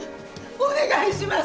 お願いします！